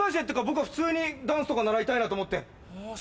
僕は普通にダンスとか習いたいなと思って。